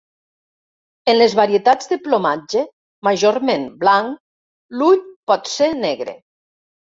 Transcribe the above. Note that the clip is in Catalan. En les varietats de plomatge majorment blanc, l'ull pot ser negre.